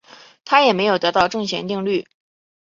他也没有得到正弦定律。